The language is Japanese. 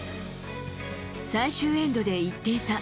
最終エンドで１点差。